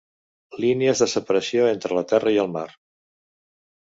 Línies de separació entre la terra i el mar.